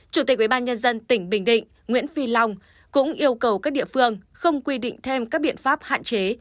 chủ tịch ubnd tỉnh bình định nguyễn phi long cũng yêu cầu các địa phương không quy định thêm các biện pháp hạn chế